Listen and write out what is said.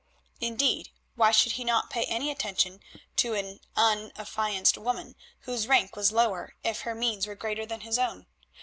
Indeed, why should he not pay attention to an unaffianced woman whose rank was lower if her means were greater than his own?